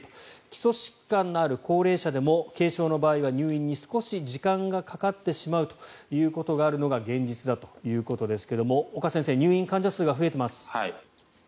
基礎疾患のある高齢者でも軽症の場合は入院に少し時間がかかってしまうということがあるのが現実だということですが岡先生、入院患者数が増えています。